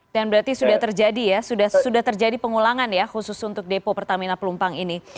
dan berarti sudah terjadi ya sudah terjadi pengulangan ya khusus untuk depo pertamina pelumpang ini